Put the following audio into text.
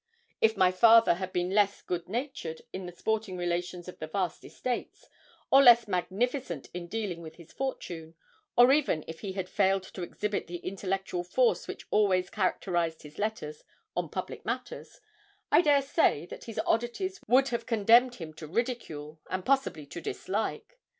If my father had been less goodnatured in the sporting relations of his vast estates, or less magnificent in dealing with his fortune, or even if he had failed to exhibit the intellectual force which always characterised his letters on public matters, I dare say that his oddities would have condemned him to ridicule, and possibly to dislike.